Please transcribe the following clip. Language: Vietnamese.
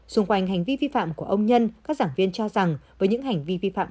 xung quanh hành vi vi phạm của ông nhân các giảng viên cho rằng với những hành vi vi phạm